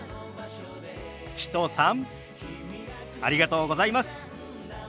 きとさんありがとうございます。